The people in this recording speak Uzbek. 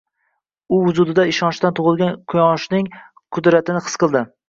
U vujudida ishonchdan tug‘ilgan quvonchning qudratini his qildi.